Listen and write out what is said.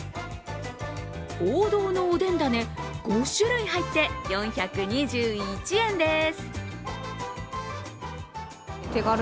王道のおでん種５種類入って４２１円です。